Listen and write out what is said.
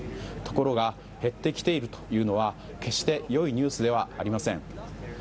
ところが減ってきているというのは決して良いニュースではありません。